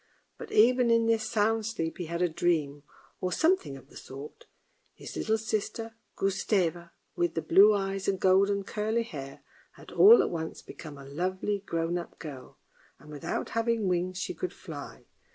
But even in this sound sleep he had a dream, or something of the sort. His little sister, Gustave, with the blue eyes and golden, curly hair, had all at once become a lovely grown up girl, and without having wings she could fly.